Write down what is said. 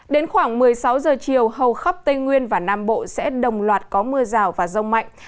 đến khoảng một mươi sáu giờ chiều hầu khắp tây nguyên và nam bộ sẽ đồng loạt có mưa rào và rông mạnh